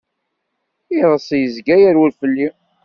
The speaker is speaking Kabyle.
Iḍeṣ izga yerwel fell-i.